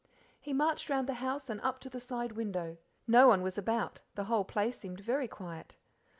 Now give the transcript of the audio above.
He marched round the house and up to the side window; no one was about, the whole place seemed very quiet.